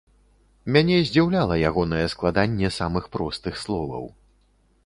Мяне здзіўляла ягонае складанне самых простых словаў.